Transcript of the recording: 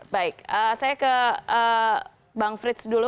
baik saya ke bang frits dulu